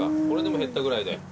これでも減ったぐらいで？